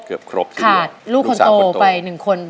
เกือบครบที่เดียวลูกสาวคนโตขาดลูกคนโตไปหนึ่งคน